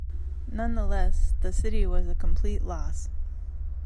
Nonetheless, the city was a complete loss.